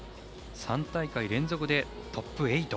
３大会連続でトップ８。